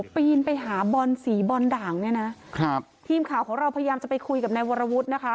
ปีนไปหาบอลสีบอลด่างเนี่ยนะครับทีมข่าวของเราพยายามจะไปคุยกับนายวรวุฒินะคะ